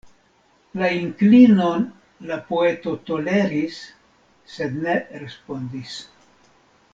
La inklinon la poeto toleris sed ne respondis.